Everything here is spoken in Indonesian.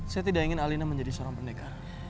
saya tidak ingin alina menjadi seorang pendekar